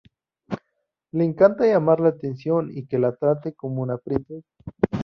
Le encanta llamar la atención y que la traten como a una princesa.